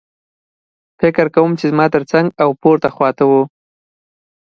فکر کوم چې زما ترڅنګ او پورته خوا ته وو